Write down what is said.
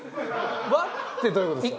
「は」ってどういう事ですか？